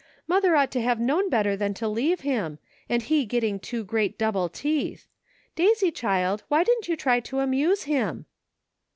mother ought to have known better than to leave him, and he getting two great double teeth! Daisy, child, why didn't you try to amuse him?"